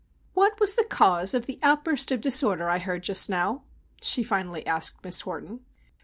"What was the cause of the outburst of disorder I heard just now?" she finally asked Miss Horton.